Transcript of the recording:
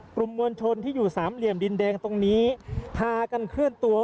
กลุ่มมวลชนที่อยู่สามเหลี่ยมดินแดงตรงนี้พากันเคลื่อนตัว